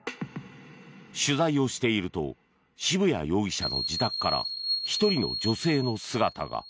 取材をしていると渋谷容疑者の自宅から１人の女性の姿が。